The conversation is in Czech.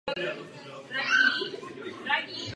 Dříve se před začátkem základní části hrál „American Bowl“.